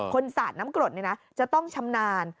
คนสาดน้ำกรดนี่นะจะต้องชำนาญ